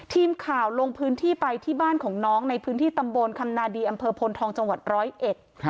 ทีมข่าวลงพื้นที่ไปที่บ้านของน้องในพื้นที่ตำบลคำนาดีอำเภอพลทองจังหวัดร้อยเอ็ด